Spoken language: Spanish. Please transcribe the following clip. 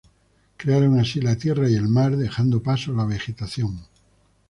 Crearon así la tierra y el mar, dejando paso a la vegetación.